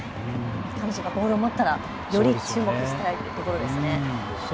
彼女がボールを持ったらより注目したいところですね。